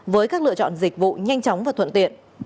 với các lựa chọn dịch vụ nhanh chóng và thuận tiện